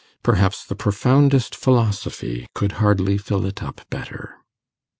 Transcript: Perhaps the profoundest philosophy could hardly fill it up better.